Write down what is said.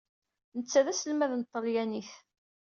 Netta d aselmad n tṭalyanit.